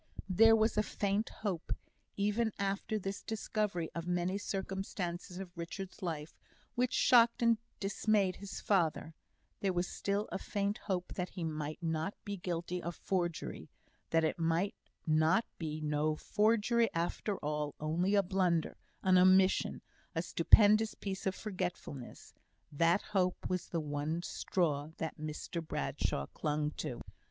There was a faint hope, even after this discovery of many circumstances of Richard's life which shocked and dismayed his father there was still a faint hope that he might not be guilty of forgery that it might be no forgery after all only a blunder an omission a stupendous piece of forgetfulness. That hope was the one straw that Mr Bradshaw clung to.